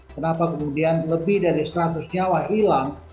kenapa kemudian lebih dari seratus nyawa hilang